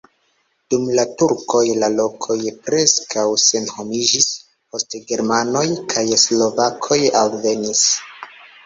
Dum la turkoj la lokoj preskaŭ senhomiĝis, poste germanoj kaj slovakoj alvenis.